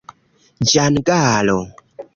ĝangalo